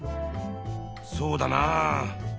そうだなあ。